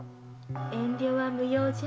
遠慮は無用じゃ。